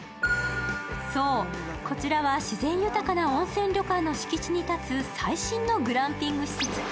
そう、こちらは自然豊かな温泉旅館の敷地に建つ最新のグランピング施設。